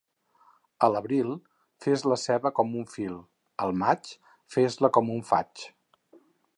A l'abril, fes la ceba com un fil; al maig, fes-la com un faig.